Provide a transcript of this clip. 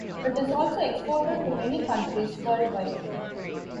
It is also exported to many countries worldwide.